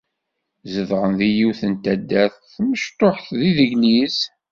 Zedɣen deg yiwet n taddart tmecṭuḥt deg Legliz.